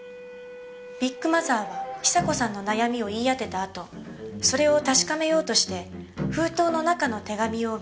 ビッグマザーは久子さんの悩みを言い当てたあとそれを確かめようとして封筒の中の手紙を見ましたよね。